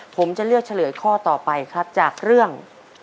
ผมจะเลือกเฉลยข้อต่อไปครับจากเรื่อง